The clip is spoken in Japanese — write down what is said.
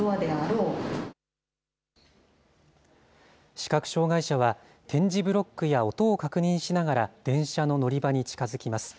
視覚障害者は、点字ブロックや音を確認しながら電車の乗り場に近づきます。